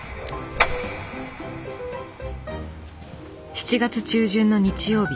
７月中旬の日曜日。